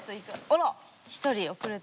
あらっ１人遅れて。